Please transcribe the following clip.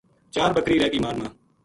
چار بکری رہ گئی مال ما